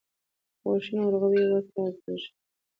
غوښين ورغوی يې ور کېکاږه.